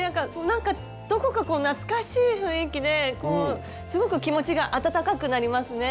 なんかどこか懐かしい雰囲気ですごく気持ちが温かくなりますね。